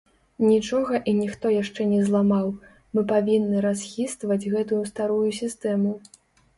Нічога і ніхто яшчэ не зламаў, мы павінны расхістваць гэтую старую сістэму.